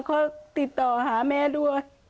เขาติดต่อหาแม่ด้วย